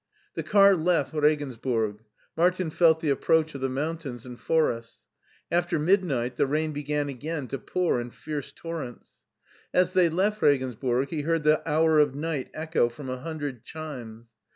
The car left Regensburg. Martin felt the approadi of the mountains and forests. After midnight the rain began again to pour in fierce torrents. As they left Regensburg he heard the hour of night echo from a hundred chimes.